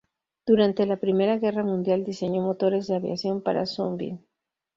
Durante la Primera Guerra Mundial diseñó motores de aviación para Sunbeam.